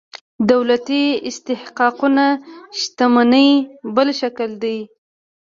دولتي استحقاقونه شتمنۍ بل شکل دي.